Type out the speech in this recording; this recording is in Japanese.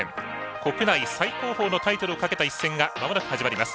国内最高峰のタイトルをかけた一戦がまもなく始まります。